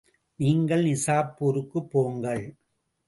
நீங்கள் நிசாப்பூருக்குப் போங்கள்.